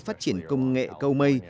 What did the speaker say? phát triển công nghệ câu mây